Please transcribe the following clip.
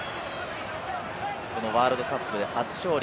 このワールドカップで初勝利。